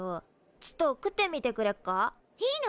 ちっと食ってみてくれっか？いいの？